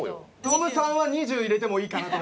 ノムさんは２０入れてもいいかなと。